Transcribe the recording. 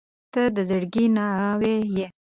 • ته د زړګي ناوې یې.